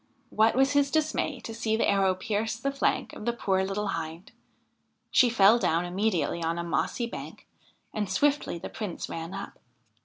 What was his dismay to see the arrow pierce the flank of the poor little Hind I She fell down immediately on a mossy bank, and swiftly the Prince ran up.